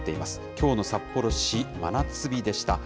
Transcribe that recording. きょうの札幌市、真夏日でした。